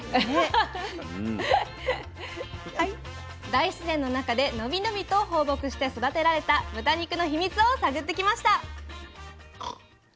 大自然の中でのびのびと放牧して育てられた豚肉の秘密を探ってきました。